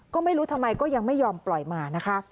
ก็ไม่รู้ทำไมก็ยังไม่ยอมปล่อยมานะคะ